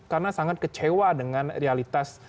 karena sangat kecewa dengan realitas